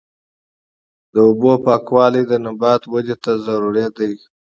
د اوبو پاکوالی د نبات ودې ته ضروري دی.